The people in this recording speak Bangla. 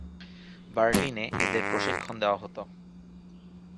বার্লিনে এদের প্রশিক্ষণ দেওয়া হতো।